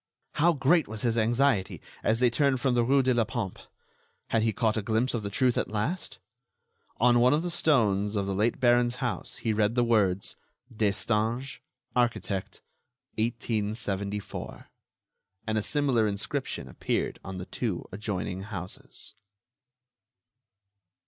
How great was his anxiety as they turned from the rue de la Pompe! Had he caught a glimpse of the truth at last? On one of the stones of the late Baron's house he read the words: "Destange, architect, 1874." And a similar inscription appeared on the two adjoining houses.